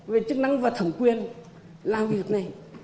về chức năng và thẩm quyền làm việc này